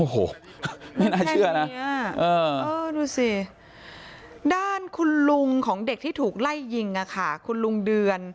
โอ้โหไม่น่าเชื่อนะดูสิด้านคุณลุงของเด็กที่ถูกไล่ยิงคุณลุงเดือน